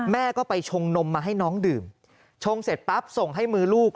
แม่ก็ไปชงนมมาให้น้องดื่มชงเสร็จปั๊บส่งให้มือลูก